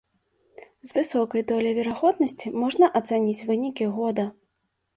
З высокай доляй верагоднасці можна ацаніць вынікі года.